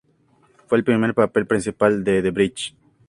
Fue el primer papel principal de Bridget.